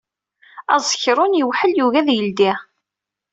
Aẓekṛun yewḥel yugi ad yeldi.